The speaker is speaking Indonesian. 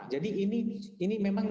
jadi ini memang